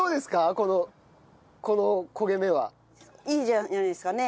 このこの焦げ目は。いいんじゃないですかね？